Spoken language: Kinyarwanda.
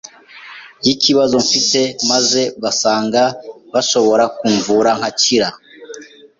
y’ikibazo mfite maze basanga bashobora kumvura nkakira neza